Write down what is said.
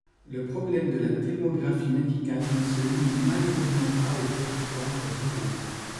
Le problème de la démographie médicale ne se limite malheureusement pas aux territoires ruraux.